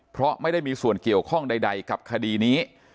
เพราะไม่ได้มีส่วนเกี่ยวข้องใดกับคดีนี้